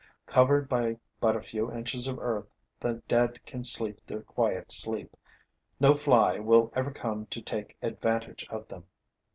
Covered by but a few inches of earth, the dead can sleep their quiet sleep: no fly will ever come to take advantage of them.